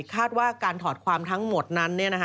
คาดว่าการถอดความทั้งหมดนั้น